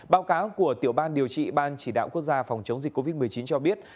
báo cáo của tiểu ban điều trị ban chỉ đạo quốc gia phòng chống dịch covid một mươi chín cho biết